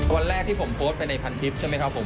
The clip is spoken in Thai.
วันแรกที่ผมโพสต์ไปในพันทิพย์ใช่ไหมครับผม